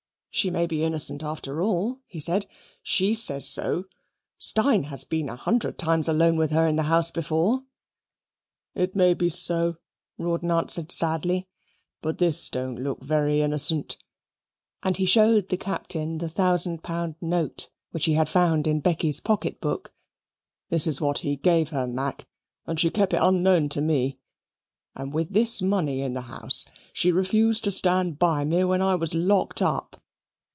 "She may be innocent, after all," he said. "She says so. Steyne has been a hundred times alone with her in the house before." "It may be so," Rawdon answered sadly, "but this don't look very innocent": and he showed the Captain the thousand pound note which he had found in Becky's pocket book. "This is what he gave her, Mac, and she kep it unknown to me; and with this money in the house, she refused to stand by me when I was locked up."